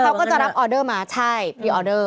เขาก็จะรับออเดอร์มาใช่พรีออเดอร์